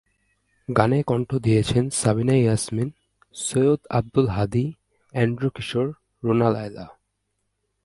গানে কণ্ঠ দিয়েছেন সাবিনা ইয়াসমিন, সৈয়দ আব্দুল হাদী, এন্ড্রু কিশোর, রুনা লায়লা।